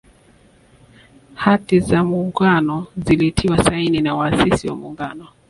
Hati za Muungano zilitiwa saini na waasisi wa Muungano